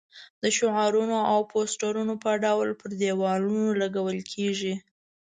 د شعارونو او پوسټرونو په ډول پر دېوالونو لګول کېږي.